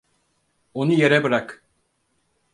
Onu yere bırak!